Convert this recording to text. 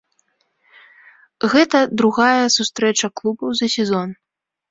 Гэта другая сустрэча клубаў за сезон.